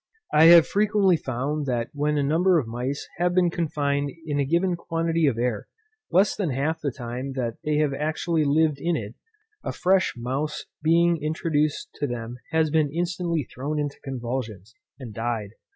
I have frequently found that when a number of mice have been confined in a given quantity of air, less than half the time that they have actually lived in it, a fresh mouse being introduced to them has been instantly thrown into convulsions, and died.